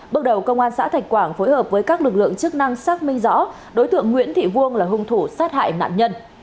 bước đầu công an xã thạch quảng phối hợp với các lực lượng chức năng xác minh rõ đối tượng nguyễn thị vuông là hung thủ sát hại nạn nhân